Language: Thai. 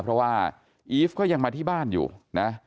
เพราะว่าอีฟก็ยังมาที่บ้านอยู่นะ